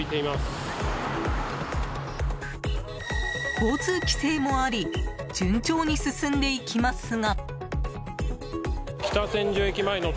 交通規制もあり順調に進んでいきますが。